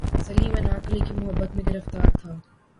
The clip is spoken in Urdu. سلیم انارکلی کی محبت میں گرفتار تھا